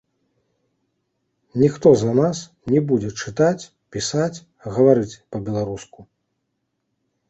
Ніхто за нас не будзе чытаць, пісаць, гаварыць па-беларуску.